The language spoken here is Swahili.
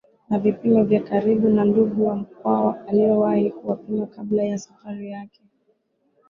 na vipimo vya karibu na ndugu wa Mkwawa aliowahi kuwapima kabla ya safari yake